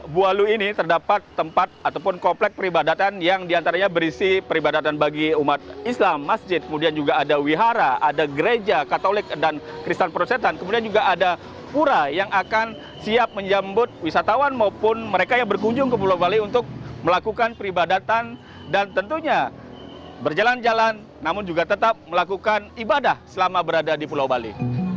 berjalan jalan namun juga tetap melakukan ibadah selama berada di pulau bali